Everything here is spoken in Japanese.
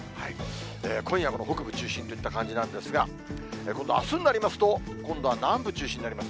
今夜も北部中心といった感じなんが、今度あすになりますと、今度は南部中心になります。